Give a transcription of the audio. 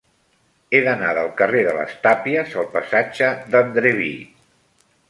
He d'anar del carrer de les Tàpies al passatge d'Andreví.